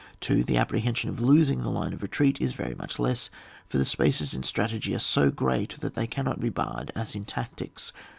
2nd. The apprehension of losing the line of retreat is very much less, for the spaces in strategy are so great that they cannot be barred as in tactics.